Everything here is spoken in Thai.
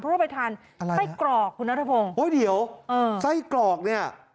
เพราะว่าไปทานอะไรไส้กรอกคุณนัทพงศ์โอ้ยเดี๋ยวเออไส้กรอกเนี่ย